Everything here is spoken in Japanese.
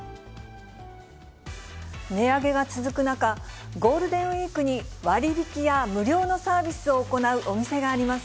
値上げが続く中、ゴールデンウィークに割引や無料のサービスを行うお店があります。